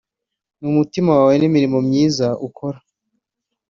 ni umutima wawe n’imirimo myiza ukora